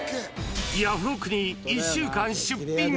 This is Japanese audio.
ヤフオクに１週間出品！